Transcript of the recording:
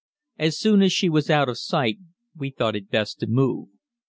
As soon as she was out of sight we thought it best to move.